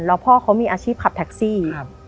แล้วพ่อเขามีอาชีพขับแท็กซี่